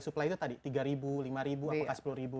supply itu tadi rp tiga rp lima apakah rp sepuluh gitu